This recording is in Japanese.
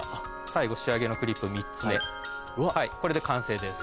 最後仕上げのクリップ３つ目はいこれで完成です。